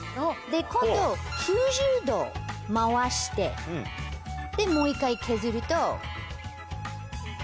今度９０度回してでもう一回削ると。